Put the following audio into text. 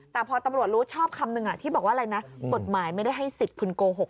แต่พอตำรวจรู้ชอบคำหนึ่งที่บอกว่าอะไรนะกฎหมายไม่ได้ให้สิทธิ์คุณโกหก